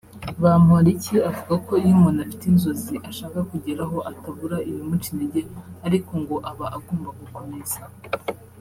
Bamporiki avuga ko iyo umuntu afite inzozi ashaka kugeraho atabura ibimuca intege ariko ngo aba agomba gukomeza